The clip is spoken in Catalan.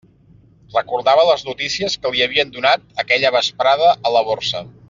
Recordava les notícies que li havien donat aquella vesprada a la Borsa.